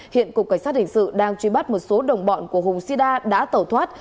hiện cục cảnh sát hình sự đang truy bắt một số đồng bọn của hùng sida đã tẩu thoát